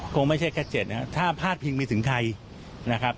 คงไม่ใช่แค่๗นะครับถ้าพาดพิงไปถึงไทยนะครับ